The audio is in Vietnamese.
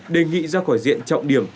đề nghị ra khỏi diện trọng điểm